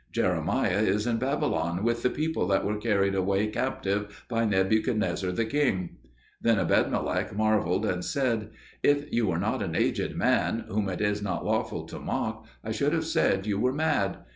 Jeremiah is in Babylon with the people that were carried away captive by Nebuchadnezzar the king." Then Ebedmelech marvelled and said, "If you were not an aged man, whom it is not lawful to mock, I should have said you were mad.